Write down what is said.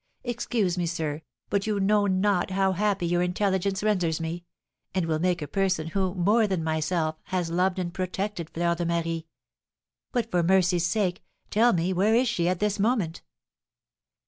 Excuse me, sir, but you know not how happy your intelligence renders me, and will make a person who, more than myself, has loved and protected Fleur de Marie. But, for mercy's sake, tell me, where is she at this moment?"